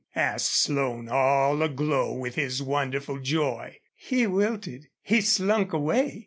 asked Slone, all aglow with his wonderful joy. "He wilted. He slunk away....